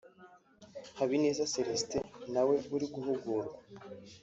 Habineza Celestin na we uri guhugurwa